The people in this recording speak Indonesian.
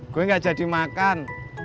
gue gak jadi makan